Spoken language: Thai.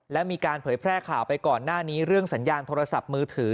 และมีการเผยแพร่ข่าวไปก่อนหน้านี้เรื่องสัญญาณโทรศัพท์มือถือ